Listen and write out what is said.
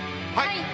はい！